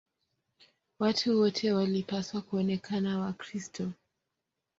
Watu wote walipaswa kuonekana Wakristo.